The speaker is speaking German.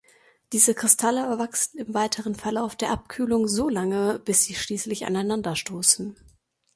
Diese Kristalle wachsen im weiteren Verlauf der Abkühlung solange, bis sie schließlich aneinanderstoßen.